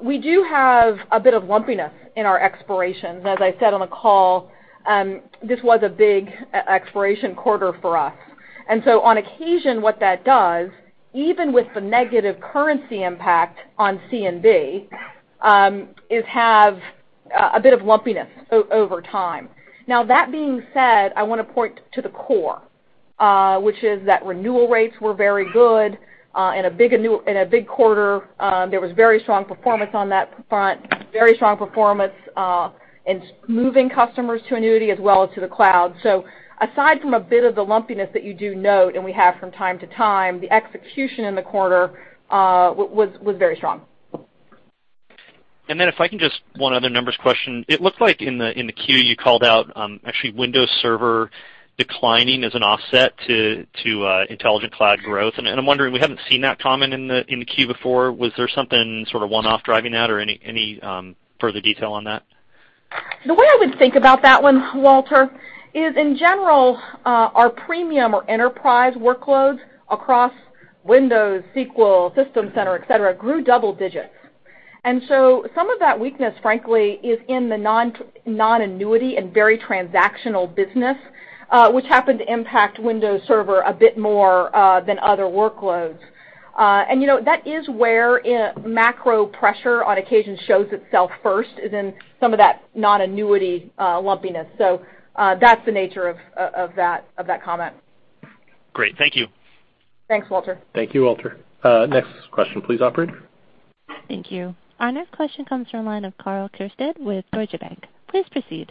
We do have a bit of lumpiness in our expirations. As I said on the call, this was a big expiration quarter for us. On occasion, what that does, even with the negative currency impact on C and D is have a bit of lumpiness over time. That being said, I want to point to the core, which is that renewal rates were very good in a big quarter. There was very strong performance on that front, very strong performance in moving customers to annuity as well as to the cloud. Aside from a bit of the lumpiness that you do note and we have from time to time, the execution in the quarter was very strong. If I can just, one other numbers question. It looks like in the Q, you called out actually Windows Server declining as an offset to Intelligent Cloud growth. I'm wondering, we haven't seen that comment in the Q before. Was there something sort of one-off driving that or any further detail on that? The way I would think about that one, Walter, is in general, our premium or enterprise workloads across Windows, SQL, System Center, et cetera, grew double digits. Some of that weakness, frankly, is in the non-annuity and very transactional business, which happened to impact Windows Server a bit more than other workloads. That is where macro pressure on occasion shows itself first is in some of that non-annuity lumpiness. That's the nature of that comment. Great. Thank you. Thanks, Walter. Thank you, Walter. Next question please, operator. Thank you. Our next question comes from line of Karl Keirstead with Deutsche Bank. Please proceed.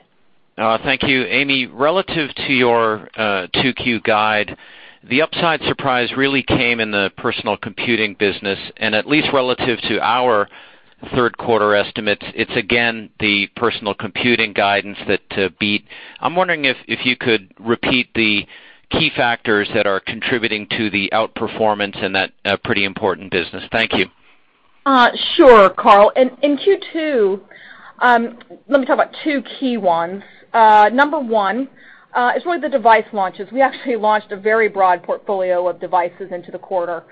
Thank you. Amy, relative to your 2Q guide, the upside surprise really came in the personal computing business, at least relative to our third quarter estimates, it is again the personal computing guidance that beat. I am wondering if you could repeat the key factors that are contributing to the outperformance in that pretty important business. Thank you. Sure, Karl. In Q2, let me talk about two key ones. Number one is really the device launches. We actually launched a very broad portfolio of devices into the quarter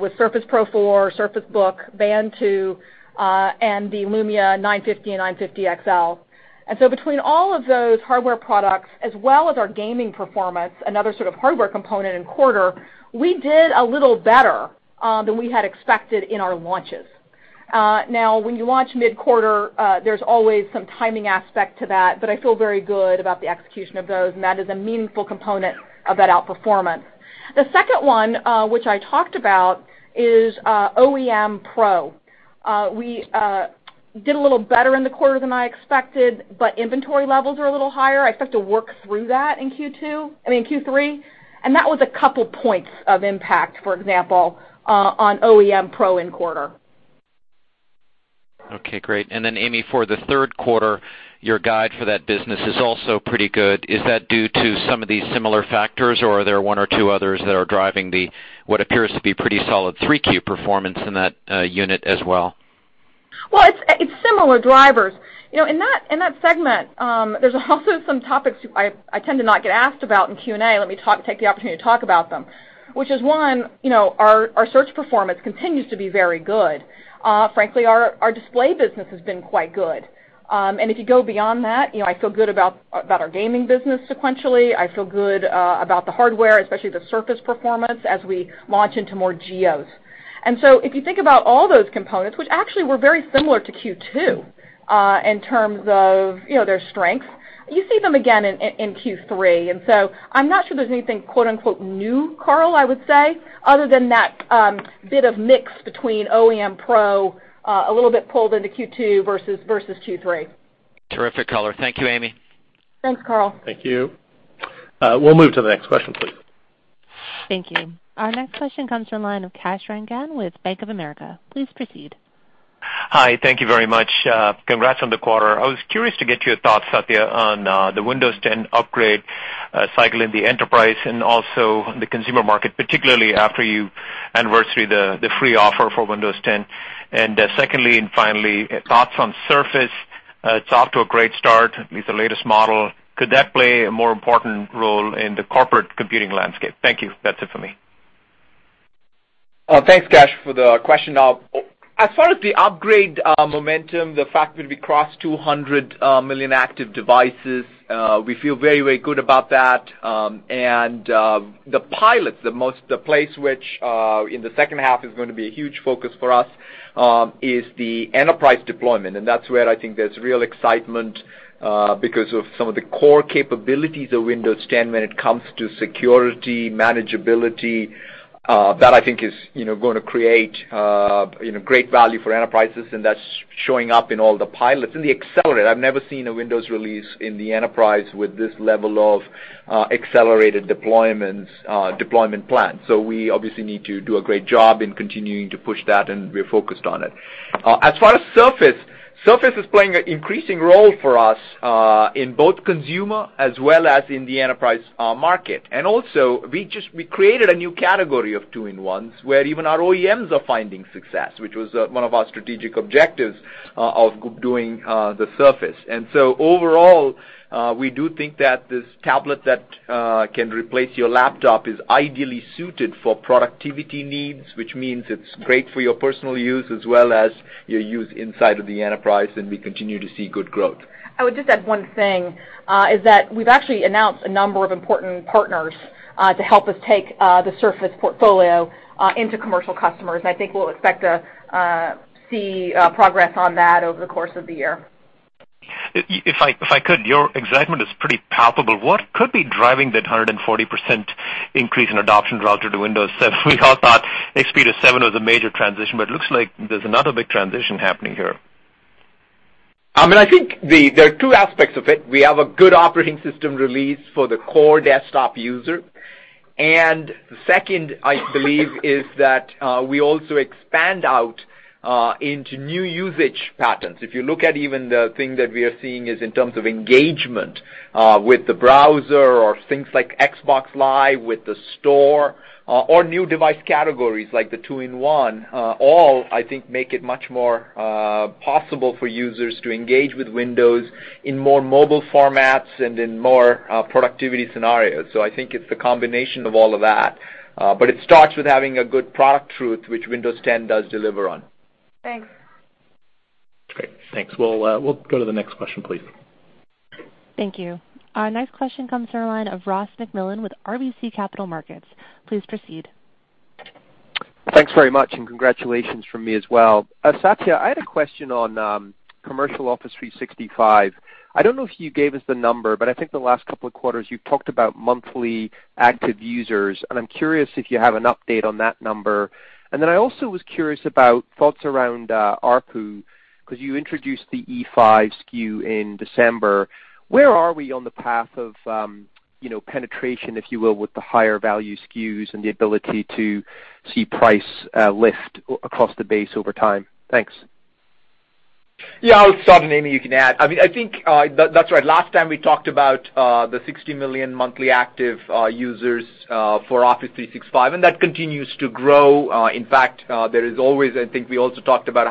with Surface Pro 4, Surface Book, Band 2, and the Lumia 950 and 950 XL. Between all of those hardware products, as well as our gaming performance, another sort of hardware component in the quarter, we did a little better than we had expected in our launches. When you launch mid-quarter, there is always some timing aspect to that, but I feel very good about the execution of those, and that is a meaningful component of that outperformance. The second one, which I talked about, is OEM Pro. We did a little better in the quarter than I expected, but inventory levels are a little higher. I expect to work through that in Q3, that was a couple points of impact, for example, on OEM Pro in quarter. Okay, great. Amy, for the third quarter, your guide for that business is also pretty good. Is that due to some of these similar factors, or are there one or two others that are driving what appears to be pretty solid 3Q performance in that unit as well? Well, it's similar drivers. In that segment, there's also some topics I tend to not get asked about in Q&A. Let me take the opportunity to talk about them, which is, one, our search performance continues to be very good. Frankly, our display business has been quite good. If you go beyond that, I feel good about our gaming business sequentially. I feel good about the hardware, especially the Surface performance, as we launch into more geos. If you think about all those components, which actually were very similar to Q2 in terms of their strength, you see them again in Q3. I'm not sure there's anything, quote-unquote, "new," Karl, I would say, other than that bit of mix between OEM Pro, a little bit pulled into Q2 versus Q3. Terrific color. Thank you, Amy. Thanks, Karl. Thank you. We'll move to the next question, please. Thank you. Our next question comes from the line of Kash Rangan with Bank of America. Please proceed. Hi. Thank you very much. Congrats on the quarter. I was curious to get your thoughts, Satya, on the Windows 10 upgrade cycle in the enterprise and also the consumer market, particularly after you anniversary the free offer for Windows 10. Secondly, and finally, thoughts on Surface. It's off to a great start with the latest model. Could that play a more important role in the corporate computing landscape? Thank you. That's it for me. Thanks, Kash, for the question. As far as the upgrade momentum, the fact that we crossed 200 million active devices, we feel very, very good about that. The pilots, the place which in the second half is going to be a huge focus for us is the enterprise deployment. That's where I think there's real excitement because of some of the core capabilities of Windows 10 when it comes to security, manageability. That I think is going to create great value for enterprises, and that's showing up in all the pilots and the accelerate. I've never seen a Windows release in the enterprise with this level of accelerated deployment plan. We obviously need to do a great job in continuing to push that, and we're focused on it. Surface is playing an increasing role for us in both consumer as well as in the enterprise market. Also, we created a new category of two-in-ones where even our OEMs are finding success, which was one of our strategic objectives of doing the Surface. Overall, we do think that this tablet that can replace your laptop is ideally suited for productivity needs, which means it's great for your personal use as well as your use inside of the enterprise, and we continue to see good growth. I would just add one thing, is that we've actually announced a number of important partners to help us take the Surface portfolio into commercial customers. I think we'll expect to see progress on that over the course of the year. If I could, your excitement is pretty palpable. What could be driving that 140% increase in adoption relative to Windows 7? We all thought XP to 7 was a major transition, it looks like there's another big transition happening here. I think there are two aspects of it. We have a good operating system release for the core desktop user. Second, I believe, is that we also expand out into new usage patterns. If you look at even the thing that we are seeing is in terms of engagement with the browser or things like Xbox Live with the Store or new device categories like the two-in-one, all, I think, make it much more possible for users to engage with Windows in more mobile formats and in more productivity scenarios. I think it's the combination of all of that. It starts with having a good product truth, which Windows 10 does deliver on. Thanks. Great. Thanks. We'll go to the next question, please. Thank you. Our next question comes from the line of Ross MacMillan with RBC Capital Markets. Please proceed. Thanks very much. Congratulations from me as well. Satya, I had a question on commercial Office 365. I don't know if you gave us the number, but I think the last couple of quarters, you've talked about monthly active users, and I'm curious if you have an update on that number. I also was curious about thoughts around ARPU because you introduced the E5 SKU in December. Where are we on the path of penetration, if you will, with the higher value SKUs and the ability to see price lift across the base over time? Thanks. Yeah. I will start and, Amy, you can add. I think that's right. Last time we talked about the 60 million monthly active users for Office 365, that continues to grow. In fact, there is always, I think we also talked about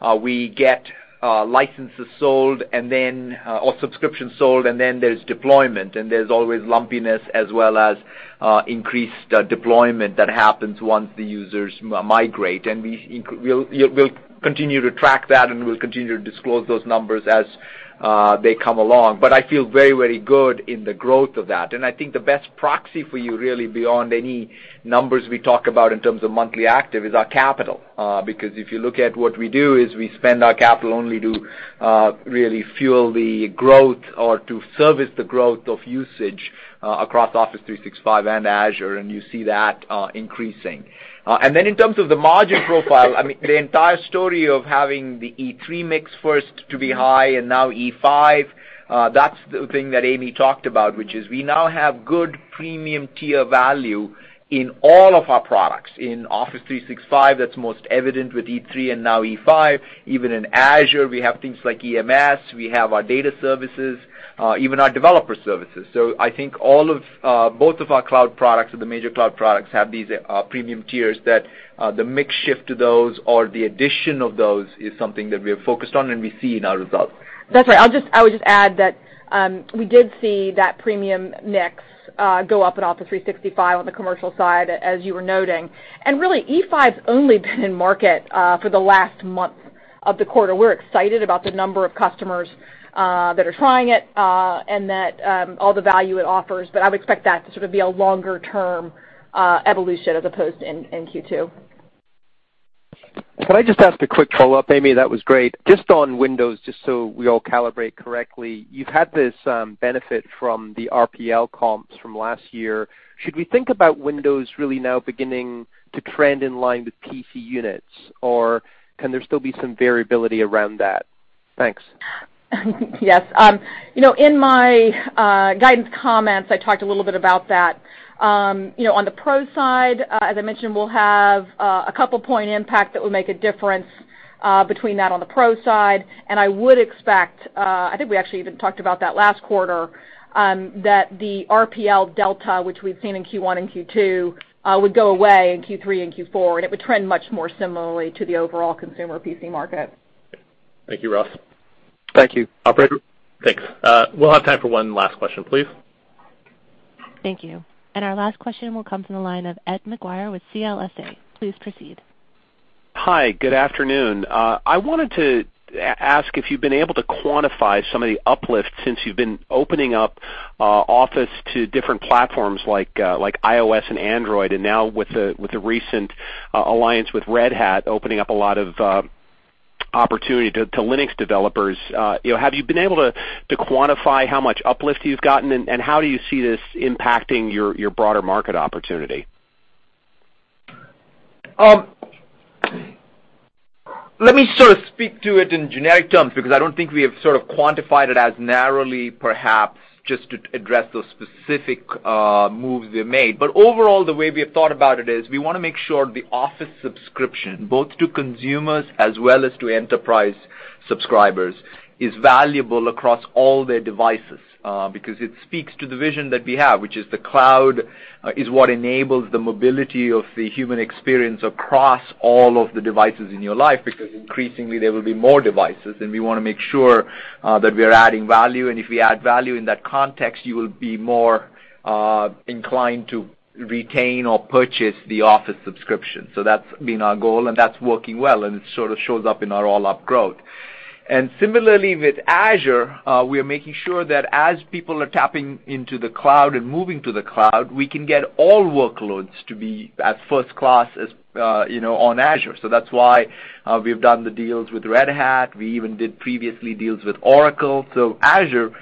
how we get licenses sold or subscriptions sold, and then there's deployment, and there's always lumpiness as well as increased deployment that happens once the users migrate. We'll continue to track that, and we'll continue to disclose those numbers as they come along. I feel very, very good in the growth of that. I think the best proxy for you really beyond any numbers we talk about in terms of monthly active is our capital. If you look at what we do is we spend our capital only to really fuel the growth or to service the growth of usage across Office 365 and Azure, and you see that increasing. In terms of the margin profile, the entire story of having the E3 mix first to be high and now E5, that's the thing that Amy talked about, which is we now have good premium tier value in all of our products. In Office 365, that's most evident with E3 and now E5. Even in Azure, we have things like EMS. We have our data services, even our developer services. I think both of our cloud products or the major cloud products have these premium tiers that the mix shift to those or the addition of those is something that we are focused on and we see in our results. That's right. I would just add that we did see that premium mix go up in Office 365 on the commercial side, as you were noting. Really, E5's only been in market for the last month of the quarter. We're excited about the number of customers that are trying it, and that all the value it offers, but I would expect that to sort of be a longer-term evolution as opposed to in Q2. Can I just ask a quick follow-up, Amy? That was great. Just on Windows, just so we all calibrate correctly, you've had this benefit from the RPL comps from last year. Should we think about Windows really now beginning to trend in line with PC units, or can there still be some variability around that? Thanks. Yes. In my guidance comments, I talked a little bit about that. On the Pro side, as I mentioned, we'll have a couple point impact that would make a difference between that on the Pro side, and I would expect, I think we actually even talked about that last quarter, that the RPL delta, which we've seen in Q1 and Q2, would go away in Q3 and Q4, and it would trend much more similarly to the overall consumer PC market. Thank you, Ross. Thank you. Operator? Thanks. We will have time for one last question, please. Thank you. Our last question will come from the line of Ed Maguire with CLSA. Please proceed. Hi, good afternoon. I wanted to ask if you've been able to quantify some of the uplift since you've been opening up Office to different platforms like iOS and Android, and now with the recent alliance with Red Hat opening up a lot of opportunity to Linux developers. Have you been able to quantify how much uplift you've gotten, and how do you see this impacting your broader market opportunity? Let me sort of speak to it in generic terms, because I don't think we have sort of quantified it as narrowly, perhaps just to address those specific moves we've made. Overall, the way we have thought about it is we want to make sure the Office subscription, both to consumers as well as to enterprise subscribers, is valuable across all their devices. It speaks to the vision that we have, which is the cloud is what enables the mobility of the human experience across all of the devices in your life, because increasingly there will be more devices, and we want to make sure that we're adding value. If we add value in that context, you will be more inclined to retain or purchase the Office subscription. That's been our goal, and that's working well, and it sort of shows up in our all-up growth. Similarly with Azure, we are making sure that as people are tapping into the cloud and moving to the cloud, we can get all workloads to be as first class as on Azure. That's why we've done the deals with Red Hat. We even did previously deals with Oracle. Azure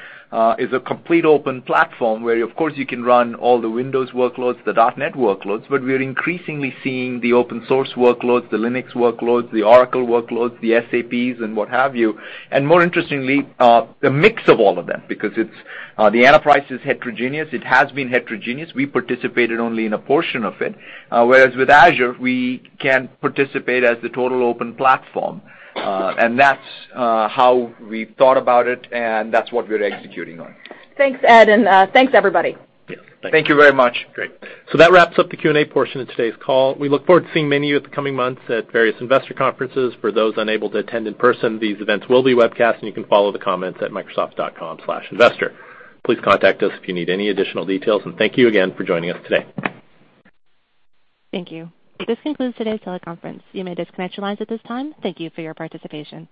is a complete open platform where, of course, you can run all the Windows workloads, the .NET workloads, but we're increasingly seeing the open source workloads, the Linux workloads, the Oracle workloads, the SAPs and what have you. More interestingly, the mix of all of them because the enterprise is heterogeneous. It has been heterogeneous. We participated only in a portion of it. Whereas with Azure, we can participate as the total open platform. That's how we've thought about it, and that's what we're executing on. Thanks, Ed, and thanks, everybody. Thank you very much. Great. That wraps up the Q&A portion of today's call. We look forward to seeing many of you in the coming months at various investor conferences. For those unable to attend in person, these events will be webcast, and you can follow the comments at microsoft.com/investor. Please contact us if you need any additional details, and thank you again for joining us today. Thank you. This concludes today's teleconference. You may disconnect your lines at this time. Thank you for your participation.